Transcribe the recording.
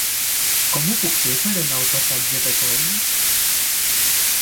Com ho puc fer per anar al passatge de Klein?